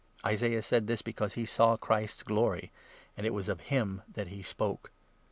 Isaiah said this, because he saw Christ's glory ; and it was of 41 him that he spoke.